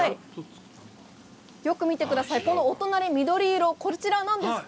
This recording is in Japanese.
よく見てください、このお隣、緑色、こちらは何ですか。